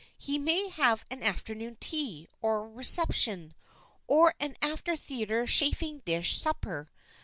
He may have an afternoon tea, or a reception, or an after theater chafing dish supper.